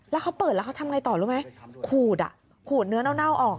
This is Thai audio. แล้วเขาเปิดแล้วเขาทำไงต่อรู้ไหมขูดอ่ะขูดเนื้อเน่าออก